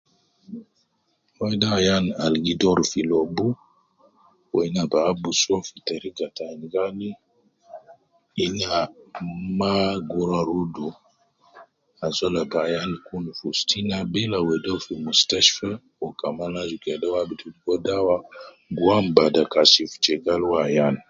Wede ayan al gidoru fi lobu, wu ina bi abusu uwo fi teriga ta ayin gali, ina ma gurua rudu azol ab ayan kun fi ustu ina bila wedi uwo di mustashta, wu kaman aju kede uwo abidu ligo dawa guam bada kashfi gal uwo ayan